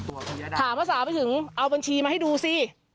ถามว่าสาวไปถึงเอาบัญชีมาให้ดูสิ